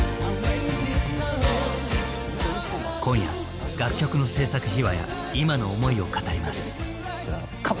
今夜楽曲の「制作秘話」や「今の思い」を語ります！